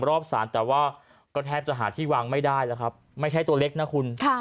รอบศาลแต่ว่าก็แทบจะหาที่วางไม่ได้แล้วครับไม่ใช่ตัวเล็กนะคุณ